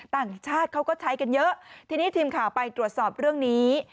ต่างชาติเขาก็ใช้กันเยอะทีนี้ทีมข่าวไปตรวจสอบเรื่องนี้